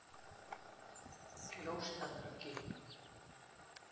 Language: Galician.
Quedouse tan tranquilo.